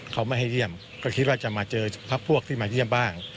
เขาไม่ให้เยี่ยมก็คิดว่าจะมาเจอพักพวกที่มาเยี่ยมบ้าง